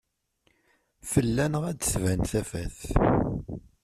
Fell-aneɣ ad d-tban tafat.